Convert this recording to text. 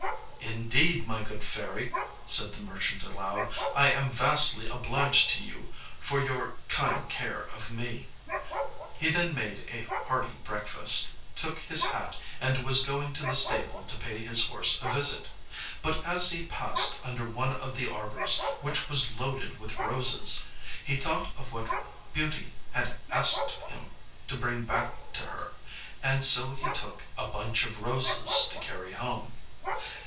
"Indeed, my good fairy," said the merchant aloud, "I am vastly obliged to you for your kind care of me." He then made a hearty breakfast, took his hat, and was going to the stable to pay his horse a visit; but as he passed under one of the arbors, which was loaded with roses, he thought of what Beauty had asked him to bring back to her, and so he took a bunch of roses to carry home.